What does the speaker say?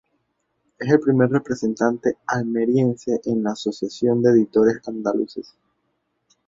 Es el primer representante almeriense en la Asociación de Editores Andaluces.